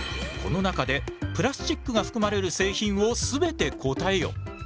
この中でプラスチックが含まれる製品を全て答えよ。